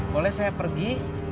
boleh saya pergi